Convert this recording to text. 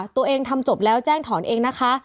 ตัวเองทำจบแล้วแจ้งถอนเองนะคะ